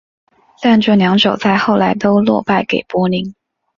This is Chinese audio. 但这两者在后来都落败给柏林。